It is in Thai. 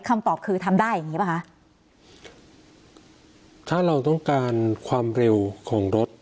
คำตอบคือทำได้อย่างงี้ป่ะคะถ้าเราต้องการความเร็วของรถ